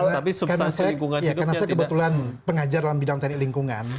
karena saya kebetulan pengajar dalam bidang teknik lingkungan